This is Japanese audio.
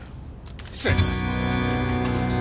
失礼。